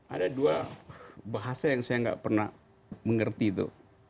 ada dua bahasa yang saya nggak pernah mengerti itu